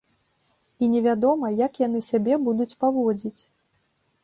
І невядома, як яны сябе будуць паводзіць.